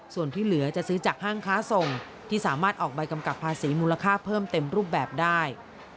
ส่วนที่เหลือจะซื้อจากห้างค้าส่งที่สามารถออกใบกำกับภาษีมูลค่าเพิ่มเต็มรูปแบบได้